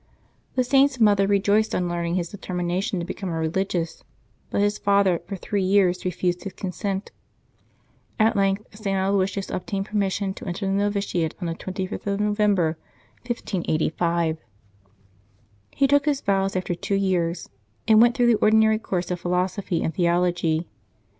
The Saint's mother rejoiced on learning his determination to become a religious, but his father for three years refused his consent. At length St. Aloysius obtained permission to enter the novitiate on the 25th of November, 1585. He took his vows after two years, and went through the ordinary course of philosophy and theology.